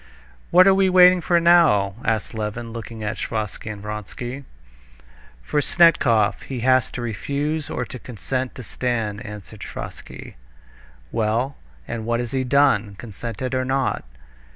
"What are we waiting for now?" asked Levin, looking at Sviazhsky and Vronsky. "For Snetkov. He has to refuse or to consent to stand," answered Sviazhsky. "Well, and what has he done, consented or not?"